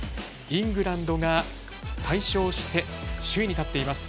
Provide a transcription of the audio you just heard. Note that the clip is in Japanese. イングランドが大勝して首位に立っています。